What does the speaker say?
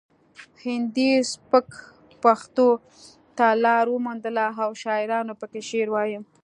هندي سبک پښتو ته لار وموندله او شاعرانو پکې شعر وایه